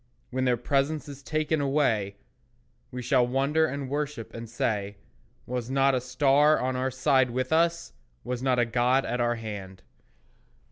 When their presence is taken away, We shall wonder and worship, and say, "Was not a star on our side with us? Was not a God at our hand?"